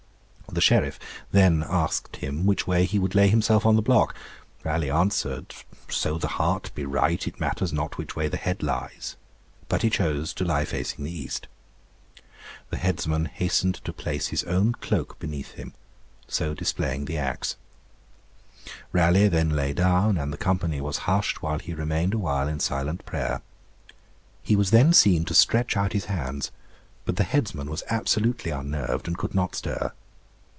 The Sheriff then asked him which way he would lay himself on the block. Raleigh answered, 'So the heart be right, it matters not which way the head lies,' but he chose to lie facing the east. The headsman hastened to place his own cloak beneath him, so displaying the axe. Raleigh then lay down, and the company was hushed while he remained awhile in silent prayer. He was then seen to stretch out his hands, but the headsman was absolutely unnerved and could not stir.